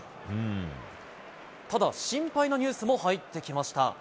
ただ心配なニュースも入ってきました。